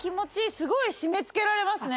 すごい締めつけられますね。